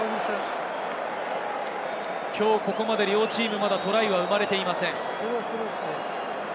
きょうここまで両チーム、まだトライは生まれていません。